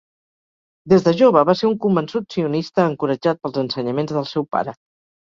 Des de jove va ser un convençut sionista encoratjat pels ensenyaments del seu pare.